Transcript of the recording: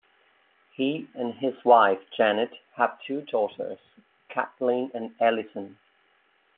He and his wife, Janet, have two daughters, Katelyn and Allison.